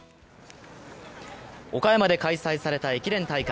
岡山で開催された駅伝大会。